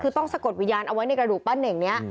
คือต้องสะกดวิญญาณเอาไว้ในกระดูกป้าเน่งนี้